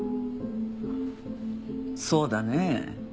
そうだねえ。